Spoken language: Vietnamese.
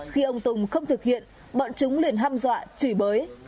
khi ông tùng không thực hiện bọn chúng liền ham dọa chửi bới